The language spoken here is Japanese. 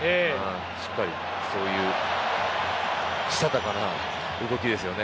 しっかり、そういうしたたかな動きですよね。